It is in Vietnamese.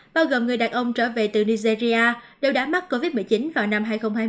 bao gồm người đàn ông trở về từ nigeria đều đã mắc covid một mươi chín vào năm hai nghìn hai mươi